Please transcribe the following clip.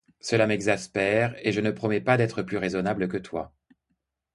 Cela m'exaspère, et je ne promets pas d'être plus raisonnable que toi.